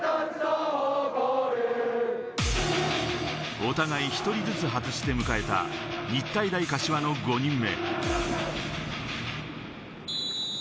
お互い１人ずつ外して迎えた、日体大柏の５人目。